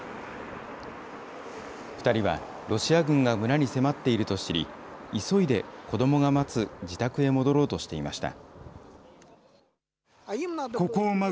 ２人はロシア軍が村に迫っていると知り、急いで子どもが待つ自宅へ戻ろうとしていました。